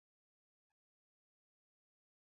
vinakirishi vinauzwa kwa bei rahisi sana